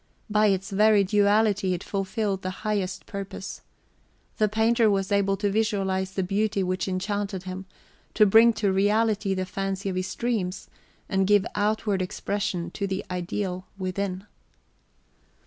By its very duality it fulfilled the highest purpose. The painter was able to visualize the beauty which enchanted him, to bring to reality the fancy of his dreams, and give outward expression to the ideal within.